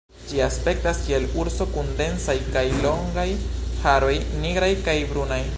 Ĝi aspektas kiel urso, kun densaj kaj longaj haroj nigraj kaj brunaj.